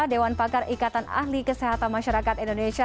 dewan pakar ikatan ahli kesehatan masyarakat indonesia